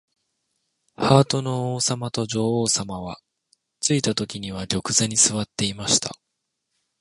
ハートの王さまと女王さまは、ついたときには玉座にすわっていました。